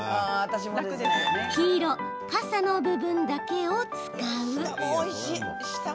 黄色・傘の部分だけを使う。